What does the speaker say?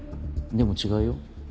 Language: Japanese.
でも違うよ。